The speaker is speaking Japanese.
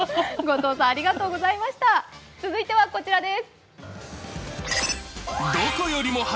続いてはこちらです。